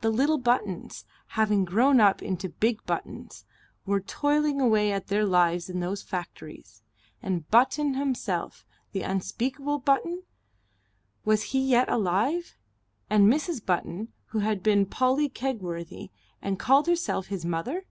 The little Buttons, having grown up into big Buttons, were toiling away their lives in those factories. And Button himself, the unspeakable Button? Was he yet alive? And Mrs. Button, who had been Polly Kegworthy and called herself his mother?